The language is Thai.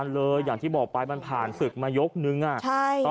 ได้ครับขอบคุณครับ